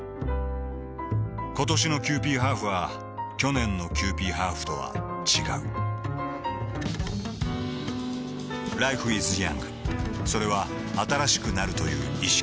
ことしのキユーピーハーフは去年のキユーピーハーフとは違うＬｉｆｅｉｓｙｏｕｎｇ．それは新しくなるという意識